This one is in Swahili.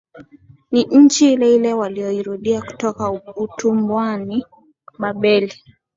ni nchi ileile waliyoirudia kutoka utumwani Babeli